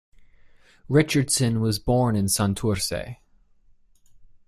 Richardson was born in Santurce.